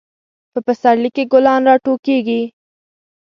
په پسرلی کې ګلان راټوکیږي.